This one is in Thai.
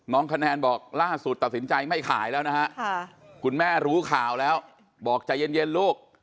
คะแนนบอกล่าสุดตัดสินใจไม่ขายแล้วนะฮะคุณแม่รู้ข่าวแล้วบอกใจเย็นลูก